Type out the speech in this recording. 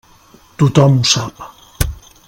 Tothom ho sap.